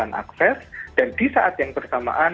dan akses dan di saat yang bersamaan